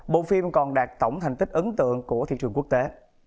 bộ phim còn đạt tổng thành tích ấn tượng của thị trường quốc tế